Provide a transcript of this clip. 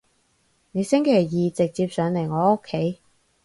你星期二直接上嚟我屋企